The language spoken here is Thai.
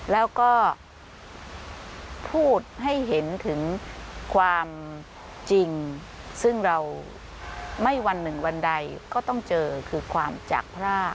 แล้วก็พูดให้เห็นถึงความจริงซึ่งเราไม่วันหนึ่งวันใดก็ต้องเจอคือความจากพราก